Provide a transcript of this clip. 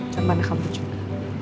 sama anak kamu juga